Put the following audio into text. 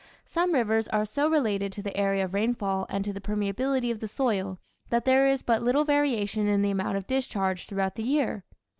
Some rivers are so related to the area of rainfall and to the permeability of the soil that there is but little variation in the amount of discharge throughout the year.